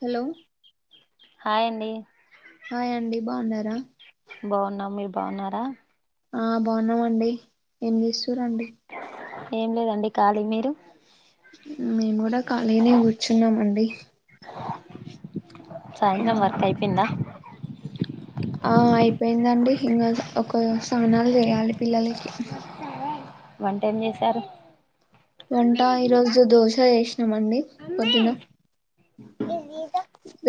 Hello hi అండి hi అండి బా ఉన్నారా బావున్నం మీరు బా ఉన్నారా ఆ బా ఉన్నం అండి ఏం జేస్సురండి ఏం లేదండి కాళి మీరు మేం గూడా కళీగనే గూర్చున్నామండి సాయంత్రం వర్క్ అయిపోయిందా ఆ అయిపోయిందండి ఇంగ ఒక సానాల్ జెయాలె పిల్లలకి వంట ఏం జేసారు వంట ఈ రోజు దోశ చేశినం అండి పొద్దున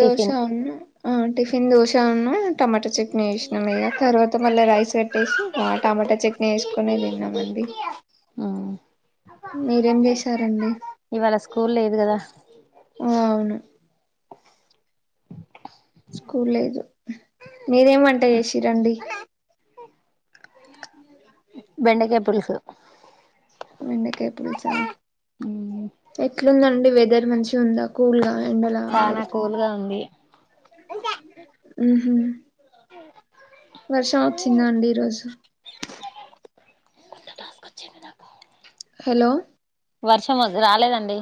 దోశ వున్ను ఆ టిఫిన్ దోశ ఉన్నూ టమాట చట్నీ ఏష్నం ఇగ తర్వాత మల్ల రైస్ గట్టేసి గా టమాటా చట్నీ ఏసుకునే దిన్నాం అండి ఊ మీరేం జేసారండి ఇవాళ స్కూల్ లేదు కదా ఆ అవును స్కూల్ లేదు మీరేం వంట ఏసిరండి బెండకాయ్ పులుసు వెెండకాయ్ పులుసా మ్మ్. ఎట్లుందండి వెదర్ మంచి ఉందా కుల్ గా ఎండలా చాలా గొడుతుంది కూల్గా ఉంది ఊహు వర్షం వచ్చిందా అండి ఈ రోజు [unintelligible] హలో వర్షం వస్ రాలేదండి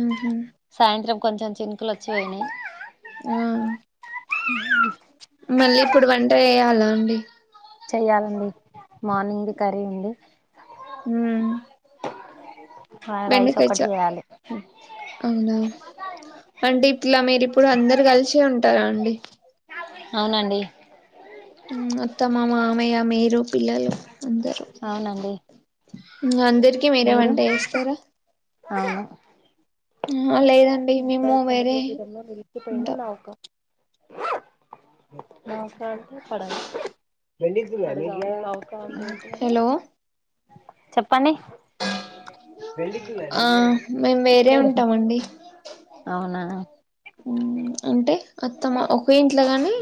ఊహు సాయంత్రం కొంచెం చినుకులు అచ్చి పోయినై. ఆ, మళ్లీ ఇప్పుడు వంట చేయాలా అండి. చెయ్యలండి, మార్నింగ్ కర్రీ ఉంది. ఉమ్మ్ ఆ రైస్ ఒకటి చ జేయాలి. అవునా, అంటే ఇట్లా మీరు ఇప్పుడు అందరు గలిసే ఉంటారా అండి. అవునండి. ఉమ్ అత్తమ్మ, మామయ్య, మీరు, పిల్లలు. అందరూ, అవునండి ఉమ్ అందరికి మీరే మీరు వంట చేస్తారా. అవును ఉమ్ హా లేదా ముంబాయి సముద్ర తీరంలో నిల్చిపోయిన ఉంటాం నౌక. [inaudible] నాక్ సాల్రీ పడదా హలో [unintelligible] చెప్పండి ఆ లేదు మేం వేరే ఉంటాం అండి. అవునా. ఉమ్ అంటే అత్త మా, ఒకే ఇంట్ల గాని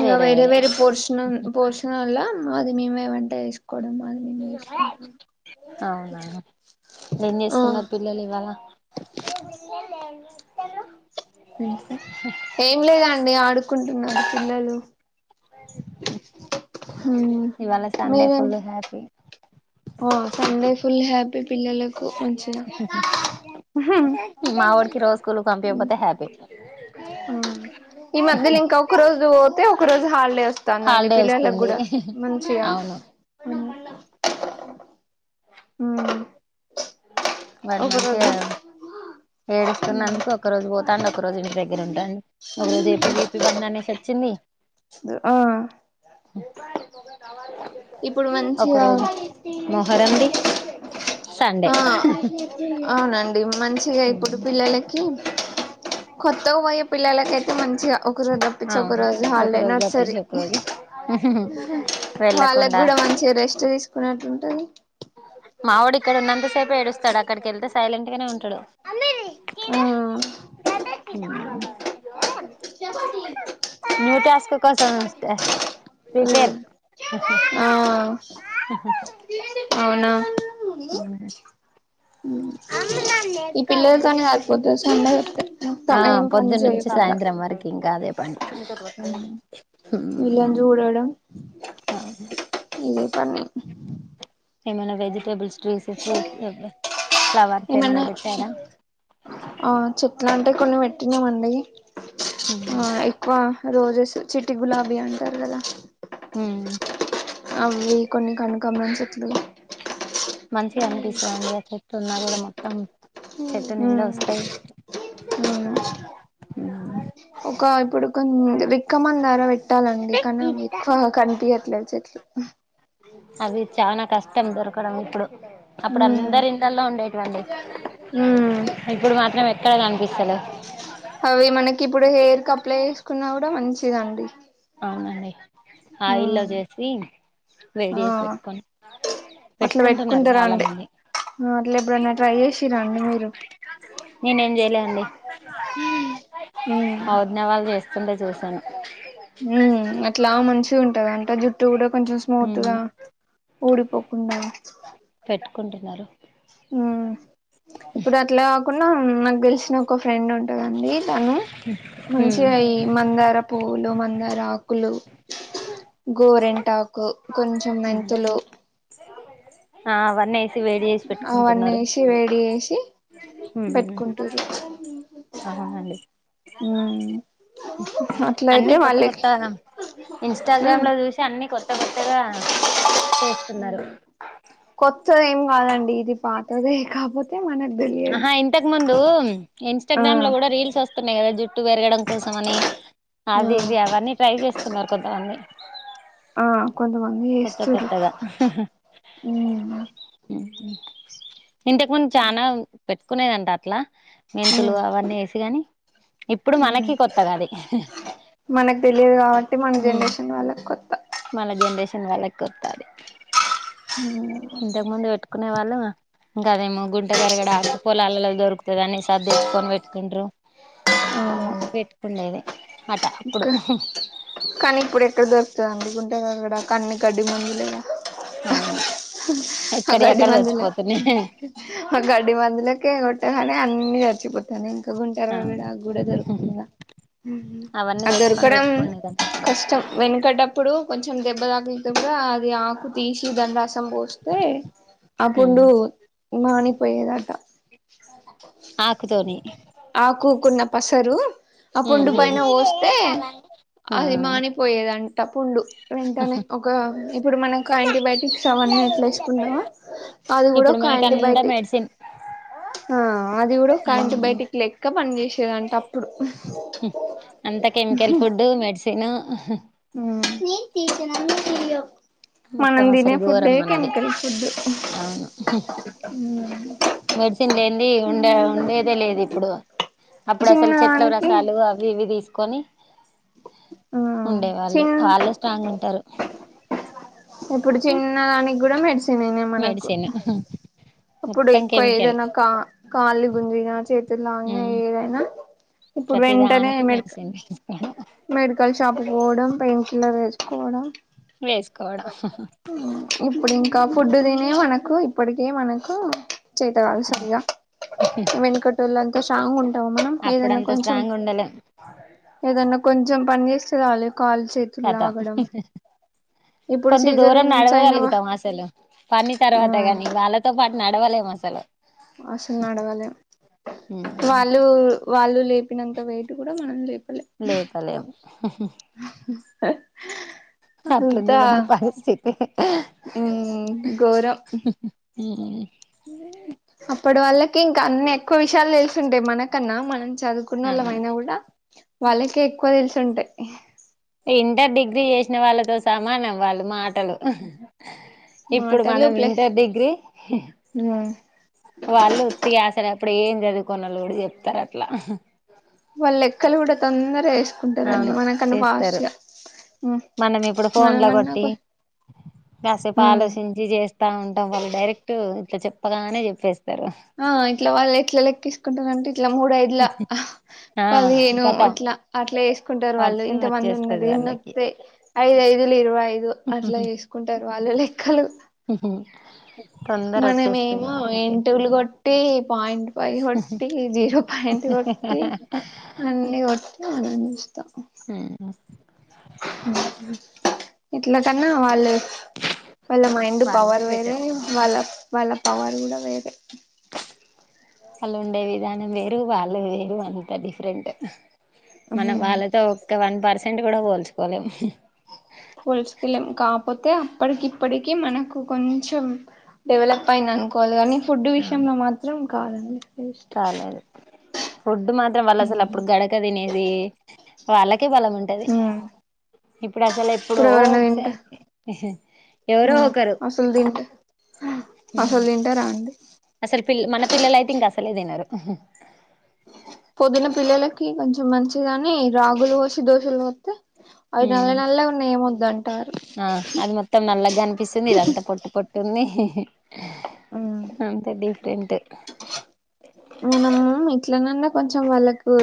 ఇంగా వేరే, వేరే పోర్షన్ పోర్షన్ లా, మాది మేమే వంట చేస్ కోడం, మాది మేమే చేసుకుంటం. అవునా, ఏం ఆ జేస్తున్నారు పిల్లలు ఇవాళ. ఏం లేదండి, ఆడుకుంటున్నారు పిల్లలు. హుమ్ ఇవాళ సండే మీరెం ఫుల్ హ్యాపీ ఓ సండే ఫుల్ హ్యాపీ పిల్లలకు. కు మంచిగా. మావోడికి రోజు స్కూల్ పంపియకపోతే హ్యాపీ ఈ మధ్యలో ఇంకా ఒక రోజు పోతే, ఒక రోజు హాలిడే అస్ తాందాండి, హాలిడే పిల్లలక్ వస్తుంది కూడా మంచిగా. అవును హుమ్మ్ వాడు మంచిగా రోజు ఏడుస్తున్నందుకు ఒక రోజు పోతాండు, ఒక రోజు ఇంటి దగ్గర ఉంటాండు. మొన్న A P V P bandh అనేసి ఒచ్చింది. ద్ ఆ ఏ తొ వా ఇప్పుడు మంచిగా, మొహరంది సండే ఆ అవునండి, మంచిగ ఇప్పుడు పిల్లలకి కొత్తగా పోయే పిల్లలకైతే మం చిగా ఒకరోజు దప్పించి, ఒక అవును రోజు ఒక హాలిడే రోజు తప్పించి నర్సరీ, ఒక రోజు వాళ్లక్ వెళ్ళకుండా గుడా మంచిగా రెస్ట్ దిసుకునట్లు ఉంటాది. మావోడు ఇక్కడ ఉన్నంతసేపే ఏడుస్తాడు, అక్కడికి ఎళ్తే సైలెంట్గానే ఉంటాడు. ఆ చపాతి న్యూ టాస్కు కోసము తే ప్రిపేర్ ఆ అవునా అమ్ నన్ను ఈ ఎత్తుకొవనే పిల్లలతోనే సరిపోతది సండే మొత్తం ఆ ఏం పని పొద్దున్నుంచి చేయకుండా సాయంత్రం వరకు ఇంకా అదే పని. ఉమ్ వీళ్ళని చూడడం అ ఇదే పని ఏమన్నా వెజిటేబుల్స్ ట్రీస్ ఫ్రూట్స్ ఫ్లవర్స్ ఏమన్నా పెట్టారా. ఆ చెట్లంటే కొన్ని పెట్టినామండి ఆ ఇ క్కువ రోజెస్ చిట్టి గులాబీ అంటారు కదా ఉమ్ అవి కొన్ని కనకాంబరం చెట్లు మంచిగా అనిపిస్తాదండి చెట్టు ఉన్నా కూడా మొత్తం చెట్టు నిండ వస్తాయి అవును ఒక ఇప్పుడు కో రిక్కమందార పెట్ పెట్టాలండి కానీ అవి ఎక్కువ కనిపియ్యట్లేదు చెట్లు అవి చానా కష్టం దొరకడం ఇప్పుడు అప్పుడు ఉమ్ అందరి ఇండ్లల్లో ఉండేటువండి ఉమ్ ఇప్పుడు మాత్రం ఎక్కడ కనిపిస్తలేవు అవి మనకి ఇప్పుడు హెయిర్క అప్లై చేసుకున్నా కూడా మంచిదండి అవునండి ఆయిల్లో ఉమ్ చేసి వేడి ఆ చేసి పెట్టుకోండి అట్లా పెట్టుకుంటున్నారు పెట్టుకుంటారా చాలా అండి మంది అట్లా ఎప్పుడన్నా ట్రై చేసిరా అండి మీరు నేనేం జేయలేండి ఉమ్ అ వదిన వాళ్ళు చేస్ స్తుంటే చూసాను ఉ అట్లా మంచిగా ఉంటదంట జుట్టు కూడా కొంచెం ఉమ్ స్మూత్గా ఊడిపోకుండా పెట్టుకుంటున్నారు ఉ ఇప్పుడు అట్లా కాకున్నా నాకు తెలిసిన ఒక ఫ్రెండ్ ఉం టాడండి తను ఉమ్ మంచిగా ఈ మందార పూలు మందారా ఆకులు గోరెంటాకు కొంచెం మెంతులు ఆ వన్నీ అవన్ని వేసి వేడి చేసి ఉమ్ పెట్టుకుంట్టుర్రు అవునండి ఉ అన్ని కొత్త కొత్తగా ఇంస్టాగ్రామ్ ఉమ్ లో చూసి అన్ని కొత్త కొత్తగా చేస్తున్నారు కొత్తది ఏం కాదండి ఇది పాతదే కాపోతే మనకు తెలియదు ఆహా ఇంతకు ముందు ఆ ఇంస్టాగ్రామ్ లో కూడా రీల్స్ వస్తున్నాయి కదా జుట్టు పెరగడం కోసం అని అది ఆ ఇది అవన్నీ ట్రై చేస్తున్నా కొత్తవన్ని ఆ కొంతమంది చేస్తుర్రు. కొత్తగా ఇంతకుముందు చాలా పెట్టుకునేదంట అట్లా. మెంతులు ఉమ్ అవన్నీ వేసిగాని ఇప్పుడు మనకి కొత్తగాది. మనకు తెలియదు కాబట్టి మన జనరేషన్ వాళ్ళకి కొత్త. మన జనరేషన్ వాళ్ళకొత్త అది హ. ఇంతకు ముందు పెట్టుకునే వాళ్ళు ఇంకాదేమో గుంట గరగడ ఆకు పొలాలలో దొరుకుతది అనేసి. అదెచ్చుకొని పెట్టుకుంట్రు అవన్నీ పెట్టుకుండేది అట అప్పుడు. ఇంకా కానీ ఇప్పుడు ఎక్కడ దొరుకుతుంది అండి గుంటగలగడ ఆకు అన్ని గడ్డి మందులేగ. అవును. ఆ ఎక్కడి గడ్డి అక్కడ మందులు చచ్చిపోతున్నాయి ఒక గడ్డి మందులకే కొట్టగానే అన్ని చచ్చిపోతనయ్ ఇంకా అవును గుంటగరగడాకు కూడా దొరుకుతుందా. అవన్నీ అది తెచ్చుకొని దొరకడం పెట్టుకునేదంట అప్పుడు కష్టం. వెనకటప్పుడు కొంచెం దెబ్బ తాకినా చోట అది ఆకు తీసి దాని రసం పోస్తే. ఆ పుండు మానిపోయేదట. ఆకుతోని ఆకుకున్న పసరు ఆ పుండు పైన పోస్ ఉమ్ పోయేదం టపు పుండు వెంటనే ఒక ఇప్పుడు మనకు యాంటీబయాటిక్స్ అవన్నీ ఎట్ల ఇస్తున్నరో. అది గడ ఇప్పుడు ఒక మనకి అంతా యాంటిబయాటిక్, మెడిసిన్ ఆ అది గుడ ఒక అం యాంటిబయాటిక్ లెక్క పని జేసేదంటే అప్పుడు. అంత కెమికల్ ఫుడ్డు మెడిసిన్. ఉమ్ మనం మొత్తం దినే అసలు ఘోరం ఫుడ్డే మనది కెమికల్ ఫుడ్డు. అవును మెడిసిన్ లేనిది ఉండ ఉండేదే లేదు ఇప్పుడు, అప్పుడు అసలు చెట్ల చిన్నదానికి రసాలు అవ్. ఇవి తీసుకొని ఆ ఉండే వాళ్ళు, చిన్ వాళ్ళే స్ట్రాంగ ఉంటరు. ఇప్పుడు చిన్న దానికి గుడా మెడసె. మెడిసెను. అప్పుడు ఎక్కువ ఏదైనా కా కాళి గుంజిన, చేతులు లాగిన ఏదైనా. ఇప్పుడు వెంటనే ప్రతిదానికి మెడిక మెడిసిన్ తీసుకోడం. మెడికల్ షాప్ కి పోవడం, పెయిన్ కిల్లర్ ఏసుకోవడం. వేసుకోవడం. ఇప్పుడు ఇంకా ఫుడ్డు తినే మనకు ఇప్పటికే మనకు. చేతకాదు సరిగా వెనకటోల్లం. స్ట్రాంగ్ ఉంటమ మనం, ఏదన్నా అప్పుడంత కొంచెం. స్ట్రాంగ్ ఉండలేం ఏదన్నా కొంచెం పని చేస్తే చాలు కాల్ చే. కథ. ఇప్పుడు కొంత దూరం సీజరియన్స్ అయిన వా నడవగలుగుతం అసలు, పని ఆ తర్వాత గని వాళ్ళ తో పాటు నడవలేం అసలు. మస్తు నడవలేం వాల్. లు వాళ్ళు లేపినంత వెయిట్ గుడ మనం లేపలేం. లేపలేము అట్లుంది అంతా మన పరిస్థితి. ఉమ్ ఊఉ. అప్పుడు వాళ్ళకి ఇంకా అన్ని ఎక్కువ విషయాలు తెలుసుంటాయి మనకన్నా, మనం చదువు. కున్నోళ్ళము అవును అయినా గుడ, వాళ్ళకే ఎక్కువ తెలుసు ఉంటయి. ఇంటర్, డిగ్రీ చేసిన వాళ్ళతో సమానం వాళ్ళు మాటలు. ఇప్పుడు మాటలు మనం ప్లస్ ఇంటర్, డిగ్రీ. ఉమ్ వాళ్ళు ఉత్తిగా అసలప్పుడు ఏం చదువుకున్నోల్లు గడ చెప్తరు అట్లా. వాళ్ళ లెక్కలు గుడ తొందరగ వేసుకుంటరండి అవును మనకన్నా ఫాస్ట్ చేస్తారు గా. ఉమ్ మనం ఇప్పుడు ఫోన్ లో మనమన్నా కొట్టి, కొ కాసేపు ఉమ్ ఆలోచించి చేస్ తా ఉంటాం వాళ్ళు డైరెక్ట్ ఇట్ల చెప్పగానే చెప్పేస్తరు. ఆ ఇట్ల వాళ్ళు ఎట్ల లెక్కిసుకుంటారంటే, ఇట్లా మూడ ఐదుల ఆ పదిహేను కతం ఇట్ల అట్లా ఏసుకుంటరు వాళ్ళు, పట్టుని ఇంత మంది వచ్చేస్తది ఉన్నరు వాళ్ళకి ఇన్నస్తయ్. ఐదు ఐదుల ఇరవై ఐదు, అట్లా ఏసుకుంటరు వాళ్ళు లెక్కలు. ఉహ మనమేమో ఏంటులు గొట్టి, పాయింట్ ఫైవ్ కొట్టి, జీరో పాయింట్ కొట్టి అన్ని కొట్టి ఆనందిస్తా ఉమ్మ్ ఇట్లా కన్నా వాళ్ళు వాళ్ళ మైం డ్ వాళ్ళదే పవర్ వేరే బెటర్ వాళ్ళ వాళ్ళ పవర్ కూడా వేరే వాళ్ళు ఉండే విధానం వేరు వాళ్ళు వేరు అంతా డిఫరెంట్ మన వాళ్ళతో ఒక్క వన్ పర్సెంట్ కూడా పోల్చుకోలేము పోల్చుకోలేం కాకపోతే అప్పటికి ఇప్పటికిీ మనకు కొంచెం డెవలప్ అయింది అనుకోవాలి కానీ ఫుడ్ అవును విషయంలో మాత్రం కాదండి వేస్ట్ కాలేదు ఫుడ్ మాత్రం వాళ్ళు అసలు అప్పుడు గడ కతినేది వాళ్ళకే బలముం టది ఇప్పుడు అసలు ఎప్పుడో ఇప్పుడు ఎవరైనా తింటే ఒకసారి ఎవరో ఒకరు అసలు తింటే అసలు తింటారాండి అసలు పిల్ మన పిల్లలు అయితే ఇంకా అసలే తినరు పొదున పిల్లలకి కొంచెం మంచిగాని రాగులు పోసి దోశలు పోస్తే అవి నల్ల ఉమ్ నల్లగ ఉన్నాయ్ ఏం ఒద్దు అంటారు ఆ అది మొత్తం నల్లగా కనిపిస్తుంది ఇదంతా పొట్టు పొట్టుంది ఆ అంతే డిఫరెంట్ మనము ఇట్ల నన్నా కొంచెం వాళ్ళకు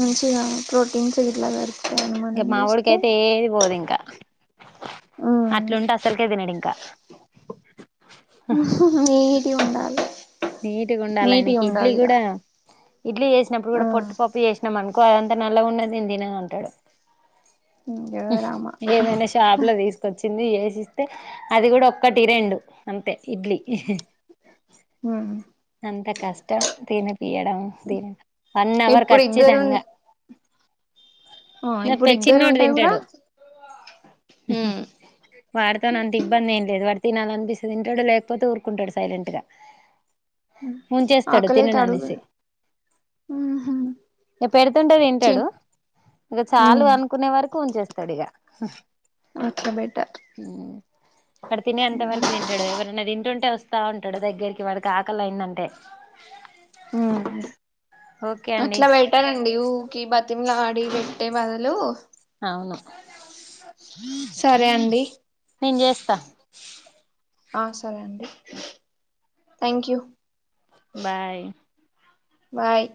మంచిగా ప్రో టిన్స్ ఇట్లా పె ఇంకా మా వొడికైతే ఏది పోదు ఇంకా అట్లుంటే అసలుకే తినడు ఇంకా నీటుగా ఉండాలి నీటుగా ఉండాలి నీటి ఆయనకి ఇడ్లీ ఉండాలి కూడా ఇడ్లీ చేసినప్పుడు కూడా ఇగ పొట్టుపప్పు చేసినాం అను కో అదంతా నలగా ఉన్నది నేను తినను అంటాడు అయ్యో రామ ఏమైనా షాప్‌లో తీసుకొచ్చింది ఏసిస్తే అది కూడా ఒక్కటి రెండు అంతే ఇడ్లీ ఉమ్మ్ అంత కష్టం తినపియడం దినికి వన్ అవర్ ఇప్పుడు ఇద్దరు కచ్చితంగా ఆ ఇప్పుడు నప్పే ఇద్దరు చిన్నోడు ఉంటే కూడా తింటాడు మ్మ్ఉమ్మ్ వాడితోనే అంత ఇబ్బంది ఏం లేదు వాడు తినాలని అనిపిస్తే తింటాడు లేకపోతే ఊరుకుంటడు సైలెంట్ గా ఉంచేస్తాడు ఆకలైతే తినను అడుగు అనేసి ఇగ పెడుతుంతే చి తింటాడు ఇగ చాలు అనుకునే వరకు ఉంచేస్తాడు ఇగ అట్లా బెటర్ ఉమ్మ్ వాడు తినేంతా వరకు తింటాడు ఎవరైనా తింటుంటే వ స్తా ఉంటాడు దగ్గరికి వాడికి ఆకలి అయిందంటే ఉమ్మ్ ఓకే అండి అట్లా పె ట్టాలండి ఊకి బతిమలాడి పెట్టే బదులు అవును సరే అండి నేను చేస్తా ఆ సరే అండి థ్యాంక్ యూ బాయ్ బాయ్